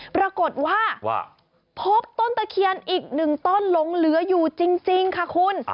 ปรากฏว่าพบต้นตะเคียนอีก๑ต้นหลงเหลืออยู่จริงค่ะคุณ